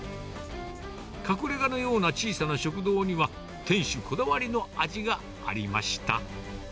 隠れがのような小さな食堂には、店主こだわりの味がありました。